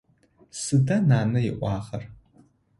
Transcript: Сыда нанэ ыӏуагъэр?